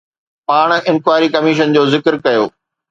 پاڻ inquiry commission جو ذڪر ڪيو.